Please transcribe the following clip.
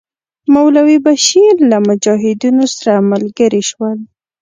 مولوی بشیر له مجاهدینو سره ملګري شول.